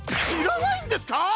しらないんですか！？